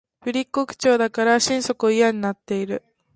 ぶりっ子口調だから心底嫌になっている